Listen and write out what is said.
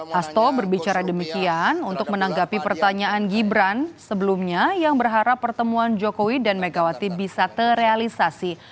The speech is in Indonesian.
hasto berbicara demikian untuk menanggapi pertanyaan gibran sebelumnya yang berharap pertemuan jokowi dan megawati bisa terrealisasi